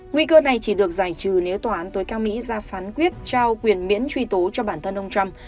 nguy cơ này chỉ được giải trừ nếu tòa án tối cao mỹ ra phán quyết trao quyền miễn truy tố cho bản thân ông trump